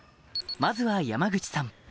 まずは山口さん